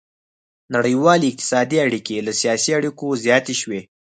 نړیوالې اقتصادي اړیکې له سیاسي اړیکو زیاتې شوې